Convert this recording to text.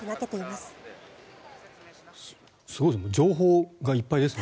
すごいですね。